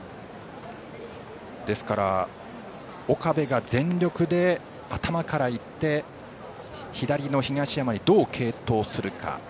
岡部が全力で頭からいって左の東山にどう継投するか。